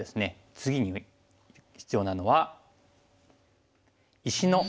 次に必要なのは。